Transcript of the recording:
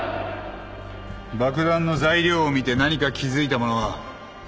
爆弾の材料を見て何か気付いた者は？